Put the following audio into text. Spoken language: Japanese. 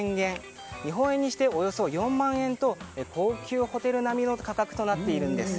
日本円にしておよそ４万円と高級ホテル並みの価格となっているんです。